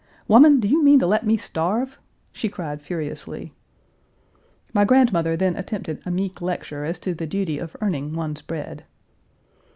"Woman, do you mean to let me starve?" she cried furiously. My grandmother then attempted a meek lecture as to the duty of earning one's bread.